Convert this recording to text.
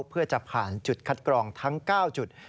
เพื่อจะผ่านจุดคัดกรองทั้ง๙จุด